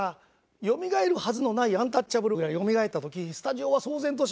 よみがえるはずのないアンタッチャブルがよみがえった時スタジオは騒然としました。